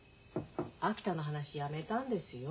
秋田の話やめたんですよ。